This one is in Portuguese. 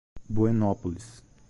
Buenópolis